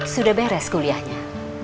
sudah beres kuliahnya